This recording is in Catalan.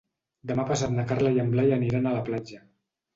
Demà passat na Carla i en Blai aniran a la platja.